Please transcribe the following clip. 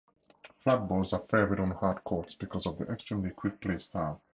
Flat balls are favored on hard courts because of the extremely quick play style.